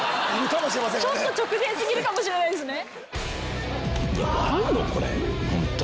ちょっと直前過ぎるかもしれないですね。